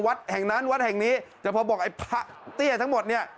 วัดแห่งนั้นวัดแห่งนี้แต่พอบอกไอ้พระเตี้ยทั้งหมดเนี่ย